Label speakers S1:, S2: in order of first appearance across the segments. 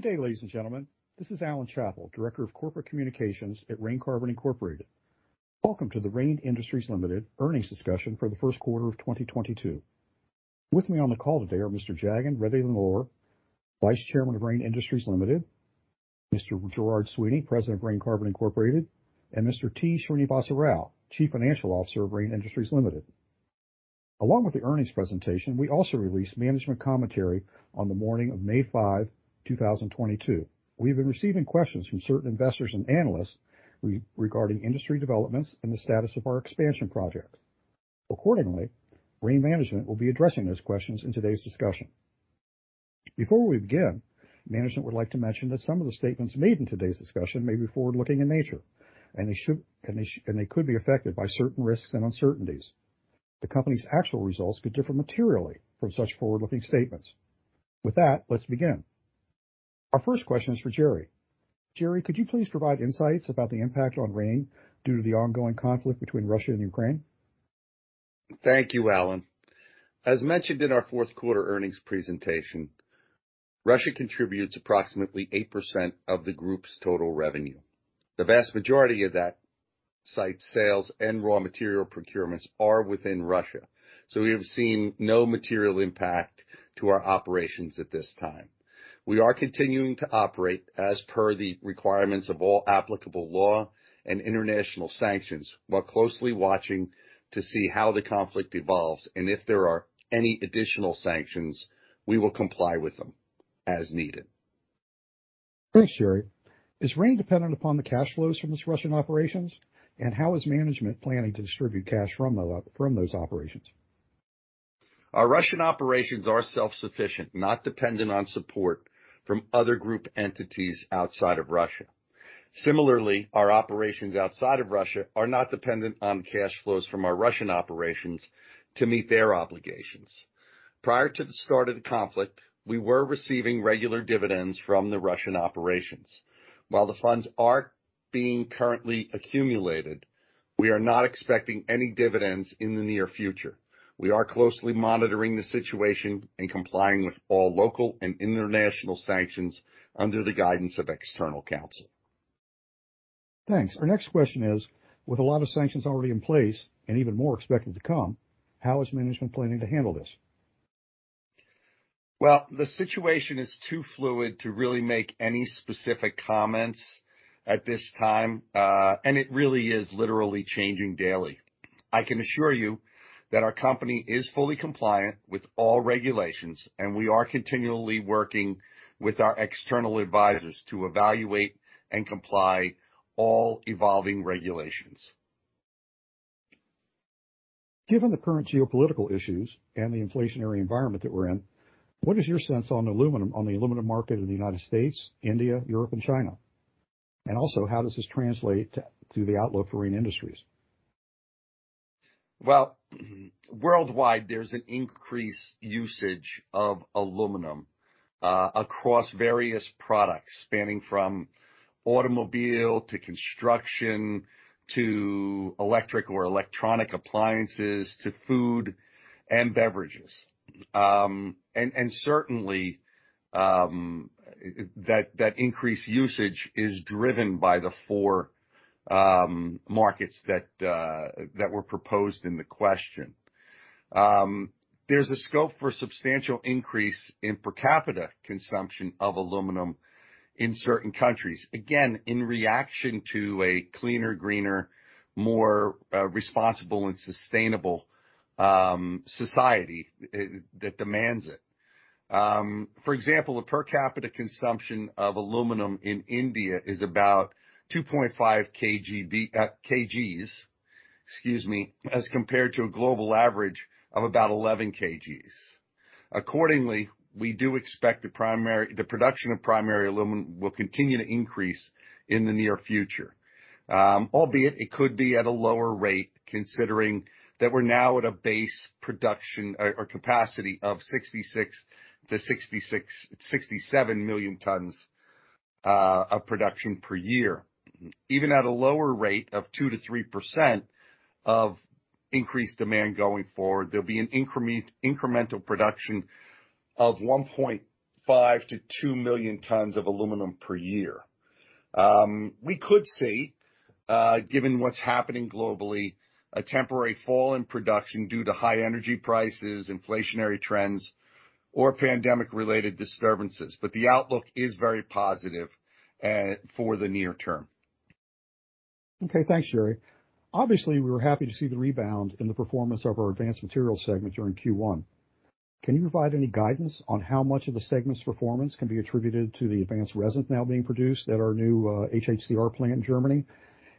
S1: Good day, ladies and gentlemen. This is Alan Chapple, Director of Corporate Communications at Rain Carbon Incorporated. Welcome to the Rain Industries Limited earnings discussion for the first quarter of 2022. With me on the call today are Mr. Jagan Reddy Nellore, Vice Chairman of Rain Industries Limited, Mr. Gerard Sweeney, President of Rain Carbon Incorporated, and Mr. T. Srinivasa Rao, Chief Financial Officer of Rain Industries Limited. Along with the earnings presentation, we also released management commentary on the morning of May 5, 2022. We have been receiving questions from certain investors and analysts regarding industry developments and the status of our expansion projects. Accordingly, Rain management will be addressing those questions in today's discussion. Before we begin, management would like to mention that some of the statements made in today's discussion may be forward-looking in nature, and they could be affected by certain risks and uncertainties. The company's actual results could differ materially from such forward-looking statements. With that, let's begin. Our first question is for Gerry. Gerry, could you please provide insights about the impact on Rain due to the ongoing conflict between Russia and Ukraine?
S2: Thank you, Alan. As mentioned in our fourth quarter earnings presentation, Russia contributes approximately 8% of the group's total revenue. The vast majority of that site sales and raw material procurements are within Russia, so we have seen no material impact to our operations at this time. We are continuing to operate as per the requirements of all applicable law and international sanctions while closely watching to see how the conflict evolves, and if there are any additional sanctions, we will comply with them as needed.
S1: Thanks, Gerry. Is Rain dependent upon the cash flows from its Russian operations, and how is management planning to distribute cash from those operations?
S2: Our Russian operations are self-sufficient, not dependent on support from other group entities outside of Russia. Similarly, our operations outside of Russia are not dependent on cash flows from our Russian operations to meet their obligations. Prior to the start of the conflict, we were receiving regular dividends from the Russian operations. While the funds are being currently accumulated, we are not expecting any dividends in the near future. We are closely monitoring the situation and complying with all local and international sanctions under the guidance of external counsel.
S1: Thanks. Our next question is, with a lot of sanctions already in place and even more expected to come, how is management planning to handle this?
S2: Well, the situation is too fluid to really make any specific comments at this time, and it really is literally changing daily. I can assure you that our company is fully compliant with all regulations, and we are continually working with our external advisors to evaluate and comply all evolving regulations.
S1: Given the current geopolitical issues and the inflationary environment that we're in, what is your sense on the aluminum market in the United States, India, Europe, and China? Also, how does this translate to the outlook for Rain Industries?
S2: Well, worldwide, there's an increased usage of aluminum across various products spanning from automobile to construction to electric or electronic appliances to food and beverages. And certainly, that increased usage is driven by the four markets that were proposed in the question. There's a scope for substantial increase in per capita consumption of aluminum in certain countries, again, in reaction to a cleaner, greener, more responsible and sustainable society that demands it. For example, the per capita consumption of aluminum in India is about 2.5 kgs, excuse me, as compared to a global average of about 11 kgs. Accordingly, we do expect the production of primary aluminum will continue to increase in the near future. Albeit it could be at a lower rate, considering that we're now at a base production capacity of 66-67 million tons of production per year. Even at a lower rate of 2%-3% of increased demand going forward, there'll be an incremental production of 1.5-2 million tons of aluminum per year. We could see, given what's happening globally, a temporary fall in production due to high energy prices, inflationary trends, or pandemic-related disturbances, but the outlook is very positive for the near term.
S1: Okay. Thanks, Gerry. Obviously, we were happy to see the rebound in the performance of our Advanced Materials segment during Q1. Can you provide any guidance on how much of the segment's performance can be attributed to the advanced resin now being produced at our new HHCR plant in Germany?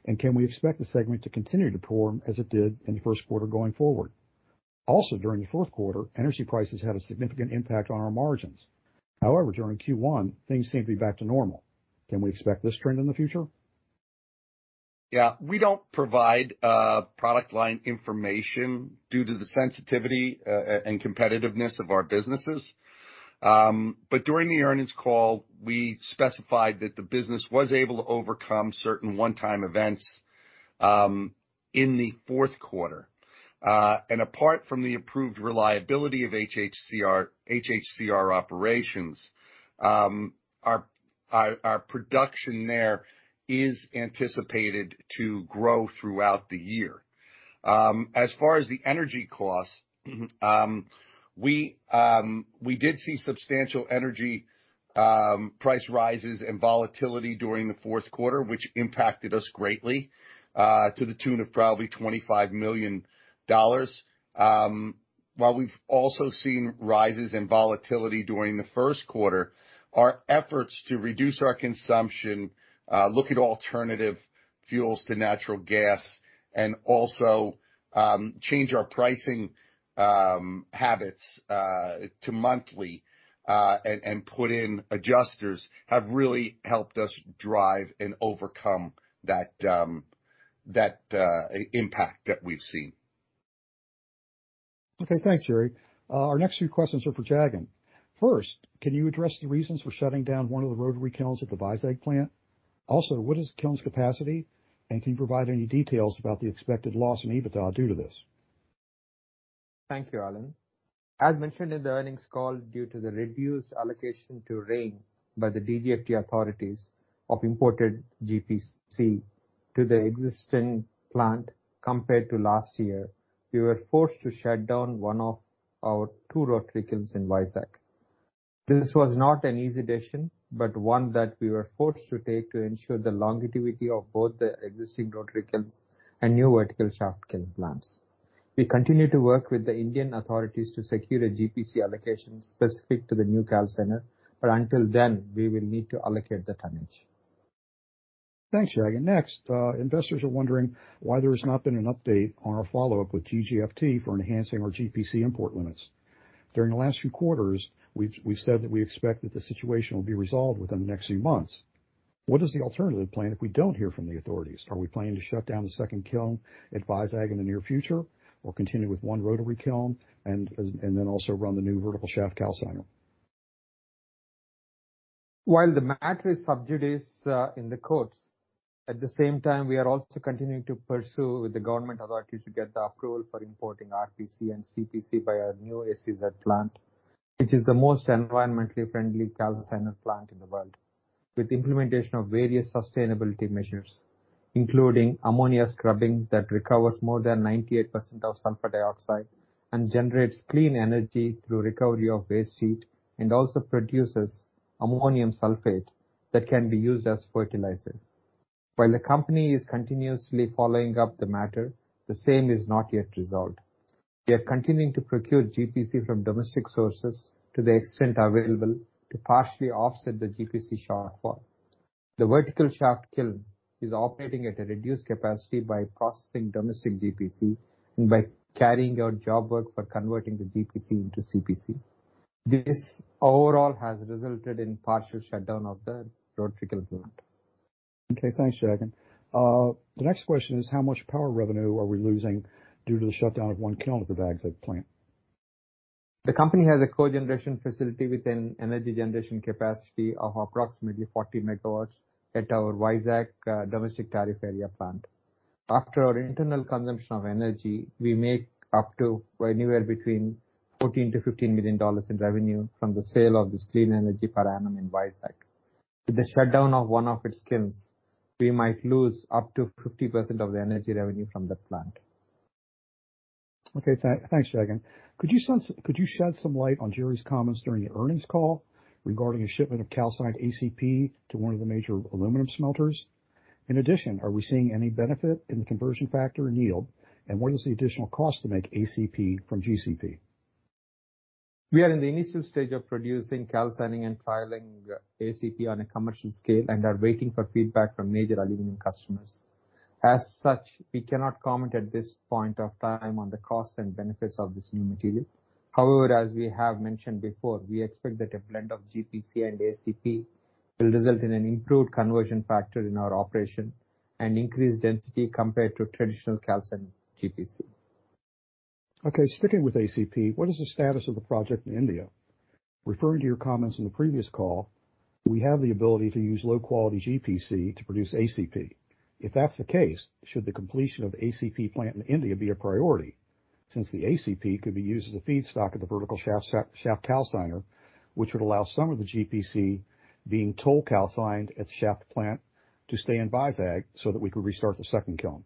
S1: And can we expect the segment to continue to perform as it did in the first quarter going forward? Also, during the fourth quarter, energy prices had a significant impact on our margins. However, during Q1, things seem to be back to normal. Can we expect this trend in the future?
S2: Yeah. We don't provide product line information due to the sensitivity and competitiveness of our businesses. During the earnings call, we specified that the business was able to overcome certain one-time events in the fourth quarter. Apart from the improved reliability of HHCR operations, our production there is anticipated to grow throughout the year. As far as the energy costs, we did see substantial energy price rises and volatility during the fourth quarter, which impacted us greatly to the tune of probably $25 million. While we've also seen rises in volatility during the first quarter, our efforts to reduce our consumption, look at alternative fuels to natural gas and also change our pricing habits to monthly and put in adjusters have really helped us drive and overcome that impact that we've seen.
S1: Okay. Thanks, Gerry. Our next few questions are for Jagan. First, can you address the reasons for shutting down one of the rotary kilns at the Vizag plant? Also, what is kiln's capacity, and can you provide any details about the expected loss in EBITDA due to this?
S3: Thank you, Alan. As mentioned in the earnings call, due to the reduced allocation to RAIN by the DGFT authorities of imported GPC to the existing plant compared to last year, we were forced to shut down one of our two rotary kilns in Vizag. This was not an easy decision, but one that we were forced to take to ensure the longevity of both the existing rotary kilns and new vertical shaft kiln plants. We continue to work with the Indian authorities to secure a GPC allocation specific to the new calciner, but until then, we will need to allocate the tonnage.
S1: Thanks, Jagan. Next, investors are wondering why there has not been an update on our follow-up with DGFT for enhancing our GPC import limits. During the last few quarters, we've said that we expect that the situation will be resolved within the next few months. What is the alternative plan if we don't hear from the authorities? Are we planning to shut down the second kiln at Vizag in the near future or continue with one rotary kiln and then also run the new vertical shaft calciner?
S3: While the matter is sub judice, at the same time, we are also continuing to pursue with the government authorities to get the approval for importing GPC and CPC by our new SEZ plant, which is the most environmentally friendly calciner plant in the world, with implementation of various sustainability measures, including ammonia scrubbing that recovers more than 98% of sulfur dioxide and generates clean energy through recovery of waste heat and also produces ammonium sulfate that can be used as fertilizer. While the company is continuously following up the matter, the same is not yet resolved. We are continuing to procure GPC from domestic sources to the extent available to partially offset the GPC shortfall. The vertical shaft kiln is operating at a reduced capacity by processing domestic GPC and by carrying out job work for converting the GPC into CPC. This overall has resulted in partial shutdown of the rotary kiln plant.
S1: Okay. Thanks, Jagan. The next question is how much power revenue are we losing due to the shutdown of one kiln at the Vizag plant?
S3: The company has a cogeneration facility with an energy generation capacity of approximately 40 MW at our Vizag domestic tariff area plant. After our internal consumption of energy, we make up to anywhere between $14 million-$15 million in revenue from the sale of this clean energy per annum in Vizag. With the shutdown of one of its kilns, we might lose up to 50% of the energy revenue from that plant.
S1: Okay. Thanks, Jagan. Could you shed some light on Gerry's comments during the earnings call regarding a shipment of calcined ACP to one of the major aluminum smelters? In addition, are we seeing any benefit in the conversion factor and yield? What is the additional cost to make ACP from GPC?
S3: We are in the initial stage of producing calcining and trialing ACP on a commercial scale and are waiting for feedback from major aluminum customers. As such, we cannot comment at this point of time on the costs and benefits of this new material. However, as we have mentioned before, we expect that a blend of GPC and ACP will result in an improved conversion factor in our operation and increased density compared to traditional calcined GPC.
S1: Okay. Sticking with ACP, what is the status of the project in India? Referring to your comments in the previous call, do we have the ability to use low-quality GPC to produce ACP? If that's the case, should the completion of ACP plant in India be a priority since the ACP could be used as a feedstock of the vertical shaft calciner, which would allow some of the GPC being toll calcined at shaft plant to stay in Vizag so that we could restart the second kiln?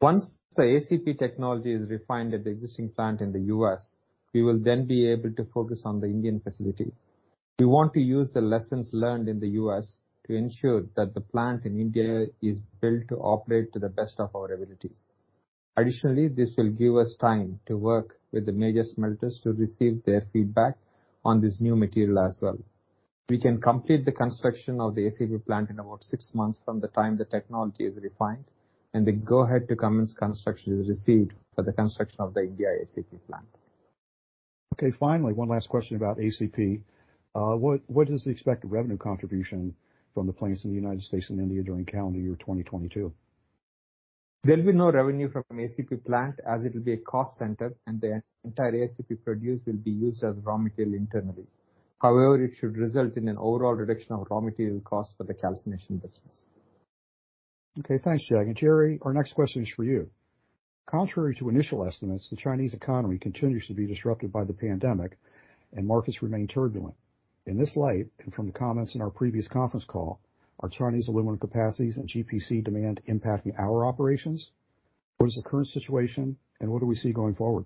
S3: Once the ACP technology is refined at the existing plant in the U.S., we will then be able to focus on the Indian facility. We want to use the lessons learned in the U.S. to ensure that the plant in India is built to operate to the best of our abilities. Additionally, this will give us time to work with the major smelters to receive their feedback on this new material as well. We can complete the construction of the ACP plant in about six months from the time the technology is refined and the go-ahead to commence construction is received for the construction of the India ACP plant.
S1: Okay. Finally, one last question about ACP. What is the expected revenue contribution from the plants in the United States and India during calendar year 2022?
S3: There'll be no revenue from ACP plant as it'll be a cost center, and the entire ACP produced will be used as raw material internally. However, it should result in an overall reduction of raw material costs for the calcination business.
S1: Okay, thanks, Jagan. Gerry, our next question is for you. Contrary to initial estimates, the Chinese economy continues to be disrupted by the pandemic and markets remain turbulent. In this light, and from the comments in our previous conference call, are Chinese aluminum capacities and GPC demand impacting our operations? What is the current situation, and what do we see going forward?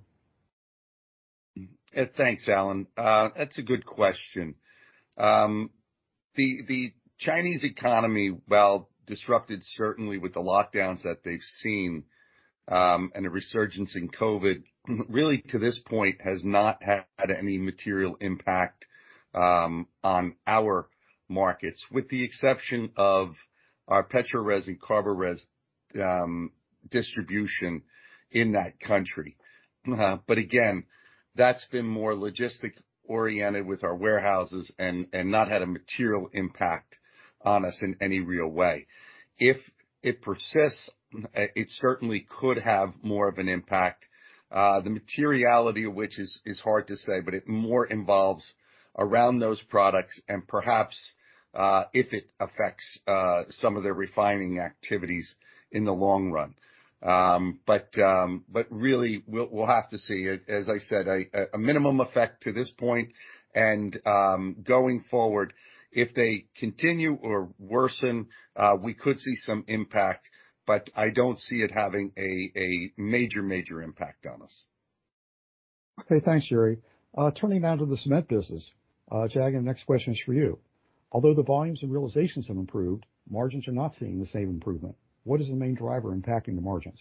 S2: Thanks, Alan. That's a good question. The Chinese economy, while disrupted certainly with the lockdowns that they've seen, and a resurgence in COVID, really to this point has not had any material impact on our markets. With the exception of our petroleum resins and carbon resins distribution in that country. Again, that's been more logistic-oriented with our warehouses and not had a material impact on us in any real way. If it persists, it certainly could have more of an impact, the materiality of which is hard to say, but it more revolves around those products and perhaps if it affects some of their refining activities in the long run. Really, we'll have to see. As I said, a minimal effect to this point, and going forward, if they continue or worsen, we could see some impact, but I don't see it having a major impact on us.
S1: Okay. Thanks, Gerry. Turning now to the cement business. Jagan, the next question is for you. Although the volumes and realizations have improved, margins are not seeing the same improvement. What is the main driver impacting the margins?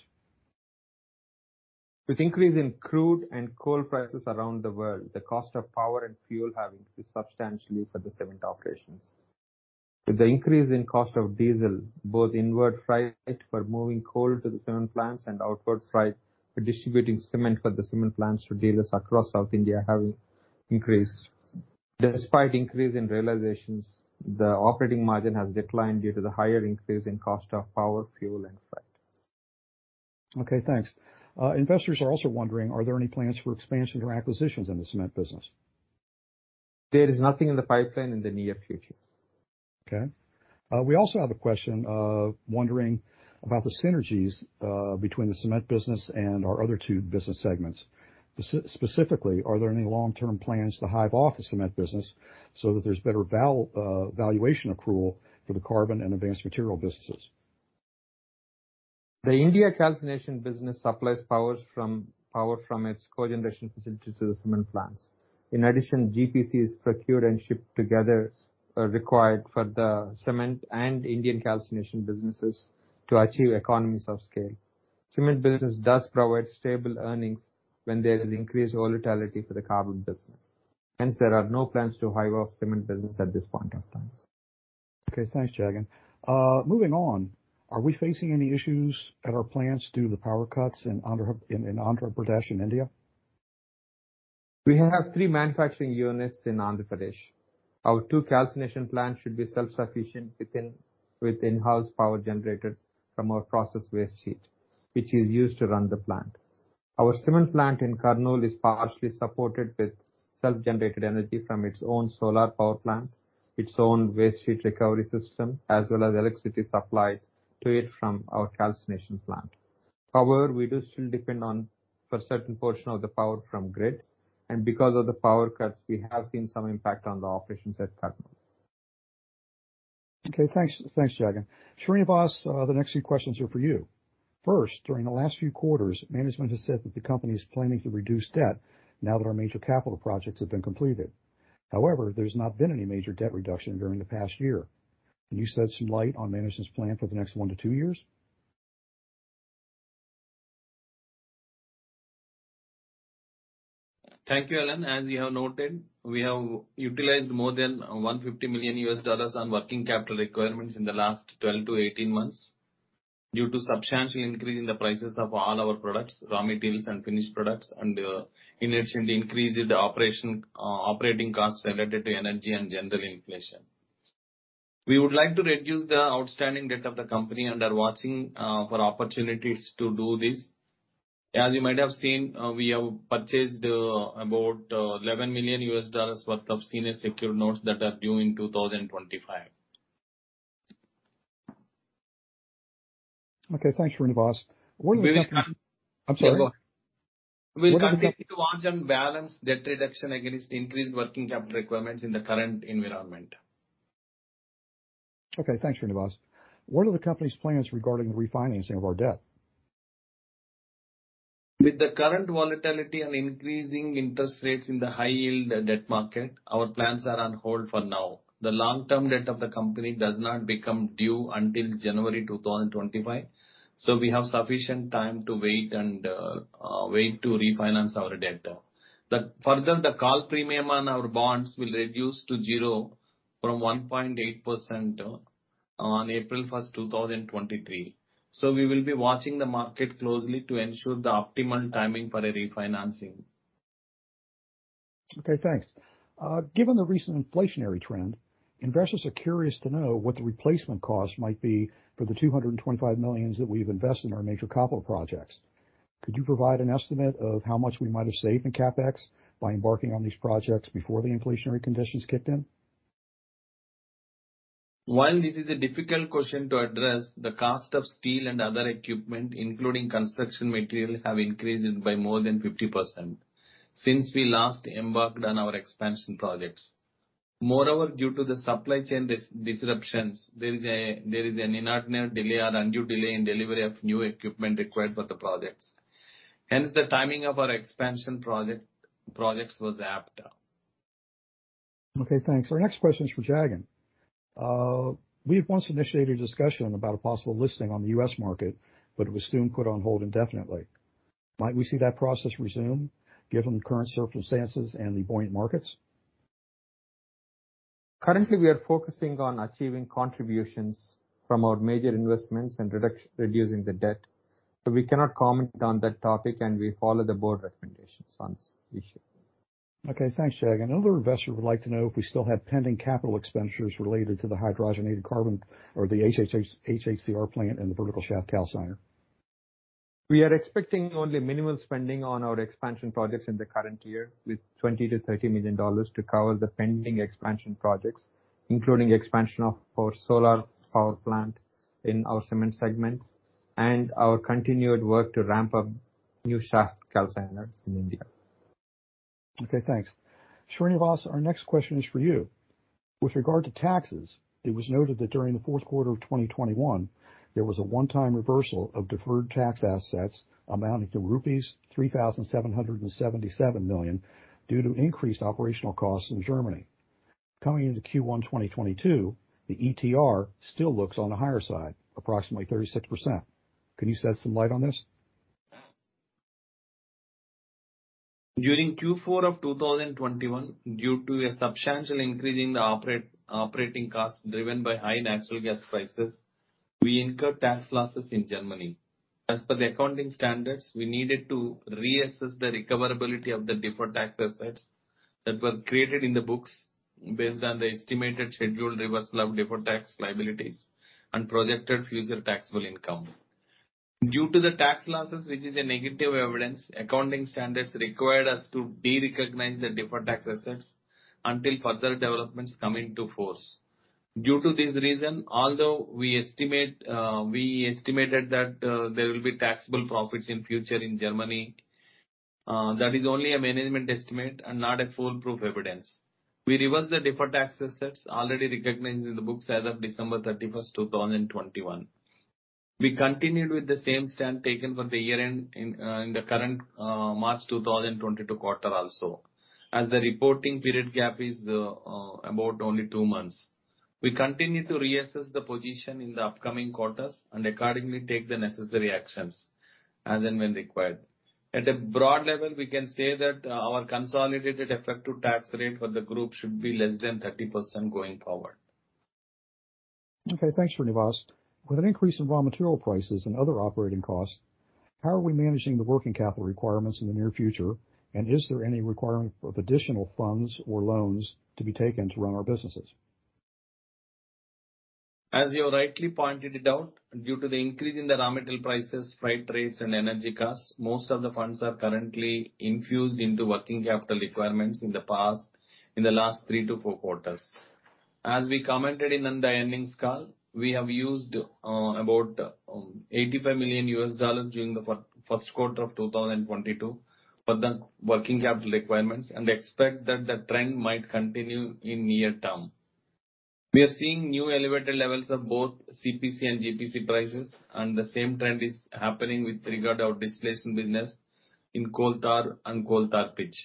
S3: With increase in crude and coal prices around the world, the cost of power and fuel have increased substantially for the cement operations. With the increase in cost of diesel, both inward freight for moving coal to the cement plants and outward freight for distributing cement for the cement plants to dealers across South India have increased. Despite increase in realizations, the operating margin has declined due to the higher increase in cost of power, fuel, and freight.
S1: Okay, thanks. Investors are also wondering, are there any plans for expansion or acquisitions in the cement business?
S3: There is nothing in the pipeline in the near future.
S1: Okay. We also have a question wondering about the synergies between the cement business and our other two business segments. Specifically, are there any long-term plans to hive off the cement business so that there's better valuation accrual for the carbon and advanced material businesses?
S3: The Indian calcination business supplies power from its cogeneration facilities to the cement plants. In addition, GPCs procured and shipped together are required for the cement and Indian calcination businesses to achieve economies of scale. Cement business does provide stable earnings when there is increased volatility for the carbon business. Hence, there are no plans to hive off cement business at this point of time.
S1: Okay. Thanks, Jagan. Moving on. Are we facing any issues at our plants due to the power cuts in Andhra Pradesh in India?
S3: We have three manufacturing units in Andhra Pradesh. Our two calcination plants should be self-sufficient with in-house power generated from our process waste heat, which is used to run the plant. Our cement plant in Kurnool is partially supported with self-generated energy from its own solar power plant, its own waste heat recovery system, as well as electricity supplied to it from our calcination plant. However, we do still depend on, for a certain portion of the power from grids, and because of the power cuts, we have seen some impact on the operations at Kurnool.
S1: Okay, thanks. Thanks, Jagan. Srinivas, the next few questions are for you. First, during the last few quarters, management has said that the company is planning to reduce debt now that our major capital projects have been completed. However, there's not been any major debt reduction during the past year. Can you shed some light on management's plan for the next one to two years?
S4: Thank you, Alan. As you have noted, we have utilized more than $150 million on working capital requirements in the last 12-18 months due to substantial increase in the prices of all our products, raw materials, and finished products, and in addition, the increase in the operating costs related to energy and general inflation. We would like to reduce the outstanding debt of the company and are watching for opportunities to do this. As you might have seen, we have purchased about $11 million worth of senior secured notes that are due in 2025.
S1: Okay, thanks, Srinivas. What are the company's-
S4: We-
S1: I'm sorry. Go on.
S4: We'll continue to watch and balance debt reduction against increased working capital requirements in the current environment.
S1: Okay, thanks, Srinivas. What are the company's plans regarding refinancing of our debt?
S4: With the current volatility and increasing interest rates in the high-yield debt market, our plans are on hold for now. The long-term debt of the company does not become due until January 2025, so we have sufficient time to wait to refinance our debt. Further, the call premium on our bonds will reduce to zero from 1.8% on April 1, 2023. We will be watching the market closely to ensure the optimal timing for a refinancing.
S1: Okay, thanks. Given the recent inflationary trend, investors are curious to know what the replacement cost might be for the $225 million that we've invested in our major capital projects. Could you provide an estimate of how much we might have saved in CapEx by embarking on these projects before the inflationary conditions kicked in?
S4: While this is a difficult question to address, the cost of steel and other equipment, including construction material, have increased by more than 50% since we last embarked on our expansion projects. Moreover, due to the supply chain disruptions, there is an inordinate delay or undue delay in delivery of new equipment required for the projects. Hence, the timing of our expansion projects was apt.
S1: Okay, thanks. Our next question is for Jagan. We once initiated a discussion about a possible listing on the U.S. market, but it was soon put on hold indefinitely. Might we see that process resume given the current circumstances and the buoyant markets?
S3: Currently, we are focusing on achieving contributions from our major investments and reducing the debt, so we cannot comment on that topic, and we follow the board recommendations on this issue.
S1: Okay, thanks, Jagan. Another investor would like to know if we still have pending capital expenditures related to the hydrogenated carbon or the HHCR plant and the vertical shaft calciner.
S3: We are expecting only minimal spending on our expansion projects in the current year, with $20 million-$30 million to cover the pending expansion projects, including expansion of our solar power plant in our cement segment and our continued work to ramp up new vertical shaft calciner in India.
S1: Okay, thanks. Srinivas, our next question is for you. With regard to taxes, it was noted that during the fourth quarter of 2021 there was a one-time reversal of deferred tax assets amounting to rupees 3,777 million due to increased operational costs in Germany. Coming into Q1 2022, the ETR still looks on the higher side, approximately 36%. Can you shed some light on this?
S4: During Q4 of 2021, due to a substantial increase in the operating costs driven by high natural gas prices, we incurred tax losses in Germany. As per the accounting standards, we needed to reassess the recoverability of the deferred tax assets that were created in the books based on the estimated scheduled reversal of deferred tax liabilities and projected future taxable income. Due to the tax losses, which is a negative evidence, accounting standards required us to de-recognize the deferred tax assets until further developments come into force. Due to this reason, although we estimate, we estimated that, there will be taxable profits in future in Germany, that is only a management estimate and not a foolproof evidence. We reversed the deferred tax assets already recognized in the books as of December 31, 2021. We continued with the same stand taken for the year-end in the current March 2022 quarter also, as the reporting period gap is about only two months. We continue to reassess the position in the upcoming quarters and accordingly take the necessary actions as and when required. At a broad level, we can say that our consolidated effective tax rate for the group should be less than 30% going forward.
S1: Okay. Thanks, Srinivas. With an increase in raw material prices and other operating costs, how are we managing the working capital requirements in the near future? Is there any requirement of additional funds or loans to be taken to run our businesses?
S4: As you rightly pointed it out, due to the increase in the raw material prices, freight rates, and energy costs, most of the funds are currently infused into working capital requirements in the past, in the last three to four quarters. As we commented in the earnings call, we have used about $85 million during the first quarter of 2022 for the working capital requirements and expect that the trend might continue in near term. We are seeing new elevated levels of both CPC and GPC prices, and the same trend is happening with regard to our distillation business in coal tar and coal tar pitch.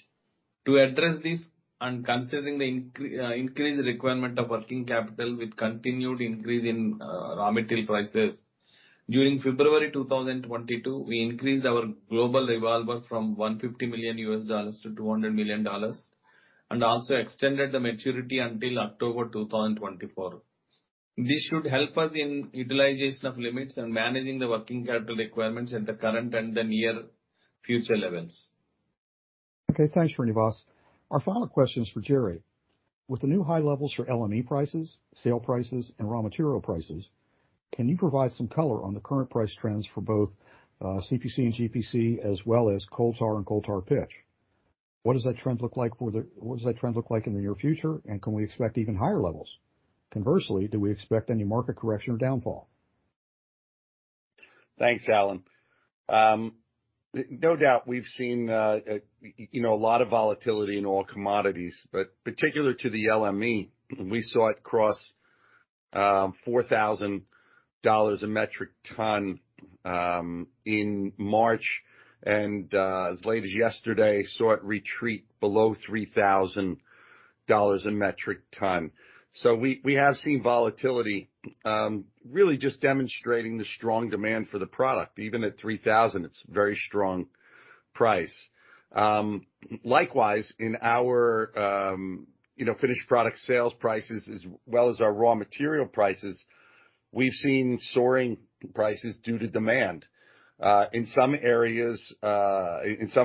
S4: To address this and considering the increased requirement of working capital with continued increase in raw material prices, during February 2022, we increased our global revolver from $150 million-$200 million and also extended the maturity until October 2024. This should help us in utilization of limits and managing the working capital requirements at the current and the near future levels.
S1: Okay. Thanks, Srinivas. Our final question is for Gerry. With the new high levels for LME prices, sale prices, and raw material prices, can you provide some color on the current price trends for both, CPC and GPC, as well as coal tar and coal tar pitch? What does that trend look like in the near future? And can we expect even higher levels? Conversely, do we expect any market correction or downfall?
S2: Thanks, Alan. No doubt we've seen a lot of volatility in oil commodities, but particular to the LME, we saw it cross $4,000 a metric ton in March and as late as yesterday saw it retreat below $3,000 a metric ton. We have seen volatility really just demonstrating the strong demand for the product. Even at $3,000, it's very strong price. Likewise in our finished product sales prices as well as our raw material prices, we've seen soaring prices due to demand. In some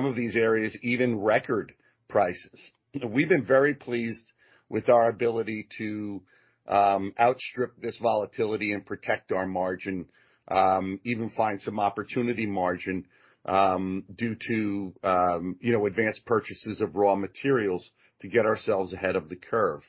S2: of these areas, even record prices. We've been very pleased with our ability to outstrip this volatility and protect our margin, even find some opportunity margin, due to you know advanced purchases of raw materials to get ourselves ahead of the curve.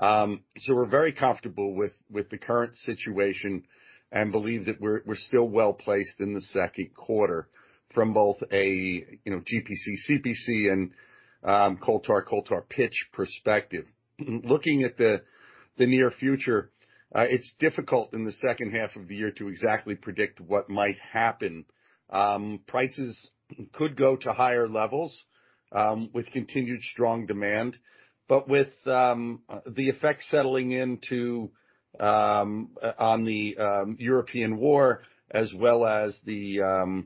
S2: We're very comfortable with the current situation and believe that we're still well-placed in the second quarter from both a you know GPC, CPC, and coal tar, coal tar pitch perspective. Looking at the near future, it's difficult in the second half of the year to exactly predict what might happen. Prices could go to higher levels with continued strong demand. With the effects settling on the European war, as well as the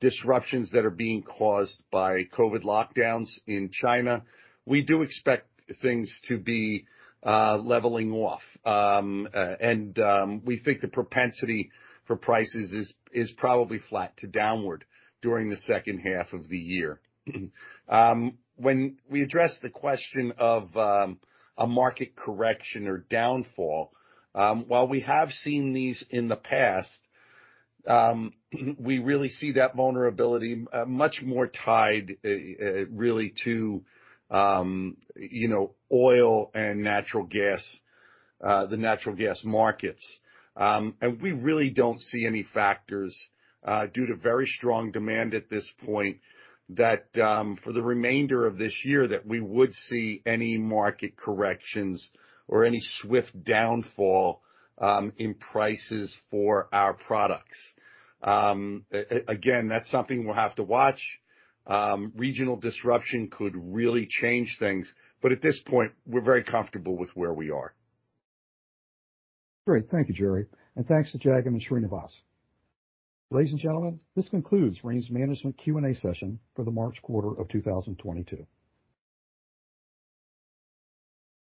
S2: disruptions that are being caused by COVID lockdowns in China, we do expect things to be leveling off. We think the propensity for prices is probably flat to downward during the second half of the year. When we address the question of a market correction or downfall, while we have seen these in the past, we really see that vulnerability much more tied really to you know, oil and natural gas, the natural gas markets. We really don't see any factors due to very strong demand at this point that for the remainder of this year, that we would see any market corrections or any swift downfall in prices for our products. Again, that's something we'll have to watch. Regional disruption could really change things, but at this point, we're very comfortable with where we are.
S1: Great. Thank you, Gerry. Thanks to Jag and Srinivas. Ladies and gentlemen, this concludes Rain's Management Q&A session for the March quarter of 2022.